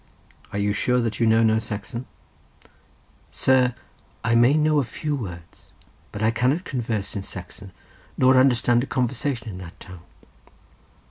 "Are you sure that you know no Saxon?" "Sir! I may know a few words, but I cannot converse in Saxon, nor understand a conversation in that tongue."